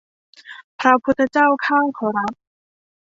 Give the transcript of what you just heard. พระพุทธเจ้าข้าขอรับ